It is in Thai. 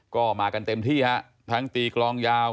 ก็มากันเต็มที่ฮะทั้งตีกลองยาว